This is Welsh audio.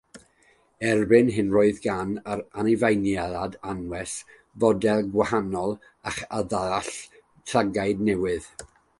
Erbyn hyn roedd gan yr anifeiliaid anwes fodel gwahanol ac arddull llygaid newydd.